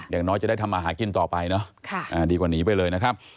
อย่างน้อยจะได้ทำมาหากินต่อไปเนอะดีกว่าหนีไปเลยนะครับ